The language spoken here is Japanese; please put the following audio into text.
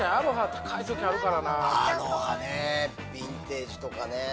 アロハねビンテージとかね。